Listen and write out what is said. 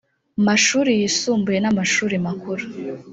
mashuri yisumbuye n amashuri makuru